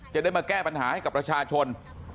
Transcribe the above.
จะได้มาแก้ปัญหาให้กับประชาชน